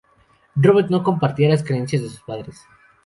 Robert no compartía las creencias de sus padres.